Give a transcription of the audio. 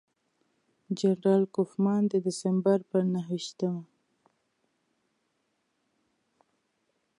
جنرال کوفمان د ډسمبر پر نهه ویشتمه.